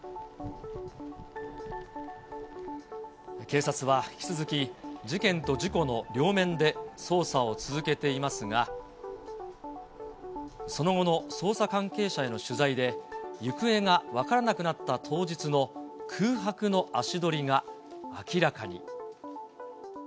警察は引き続き、事件と事故の両面で捜査を続けていますが、その後の捜査関係者への取材で、行方が分からなくなった当日の空白の足取りが明らかに。